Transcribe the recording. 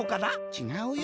ちがうよ。